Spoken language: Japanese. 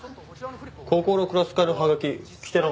高校のクラス会のはがき来てなかった？